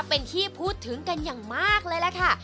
เป็นที่พูดถึงกันอย่างมากเลยล่ะค่ะ